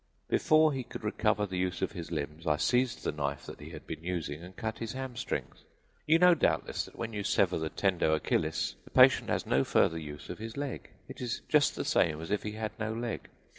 Before he could recover the use of his limbs I seized the knife that he had been using and cut his hamstrings. You know, doubtless, that when you sever the tendo Achillis the patient has no further use of his leg; it is just the same as if he had no leg.